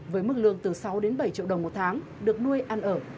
với mức lương từ sáu đến bảy triệu đồng một tháng được nuôi ăn ở